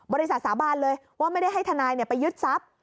สาบานเลยว่าไม่ได้ให้ทนายไปยึดทรัพย์